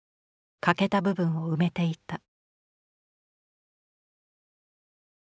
欠けた部分を埋めていた。